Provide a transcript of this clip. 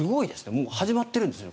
もう始まってるんですね